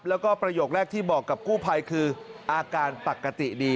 แล้วก็ประโยคแรกที่บอกกับกู้ภัยคืออาการปกติดี